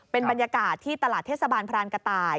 เป็นบรรยากาศที่ตลาดเทศบาลพรานกระต่าย